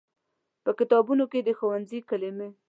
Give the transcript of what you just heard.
په کتابونو کې د ښوونځي کلمې